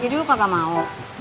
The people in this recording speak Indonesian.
jadi lu kakak mau